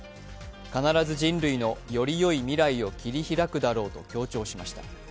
必ず人類のよりよい未来を切り開くだろうと強調しました。